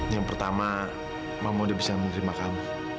yang pertama mama udah bisa menerima kamu